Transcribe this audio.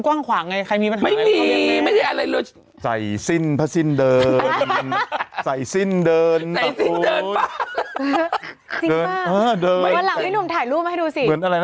ร่างให้ลุ่มถ่ายรูปให้ดูสิ